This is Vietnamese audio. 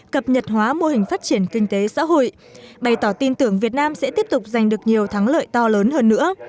cập nhật hóa mô hình phát triển kinh tế xã hội bày tỏ tin tưởng việt nam sẽ tiếp tục giành được nhiều thắng lợi to lớn hơn nữa